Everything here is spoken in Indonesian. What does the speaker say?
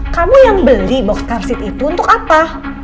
kamu yang beli box karsit itu untuk apa